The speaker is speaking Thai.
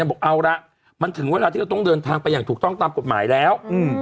บอกเอาละมันถึงเวลาที่เราต้องเดินทางไปอย่างถูกต้องตามกฎหมายแล้ว